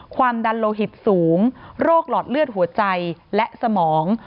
ความดันโลหิตสูงโรคหลอดเลือดหัวใจและสมอง